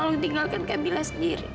tolong tinggalkan kamila sendiri